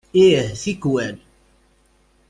Ih, tikwal.